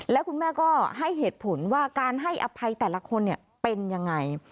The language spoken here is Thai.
แล้วคุณแม่ก็ให้เหตุผลว่าการให้อภัยแต่ละคนเป็นยังไง